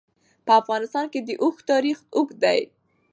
په افغانستان کې د اوښ تاریخ اوږد دی.